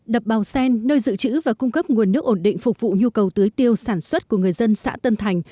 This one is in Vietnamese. đập bào sen nơi dự trữ và cung cấp nguồn nước ổn định phục vụ nhu cầu tưới tiêu sản xuất của người dân xã tân thành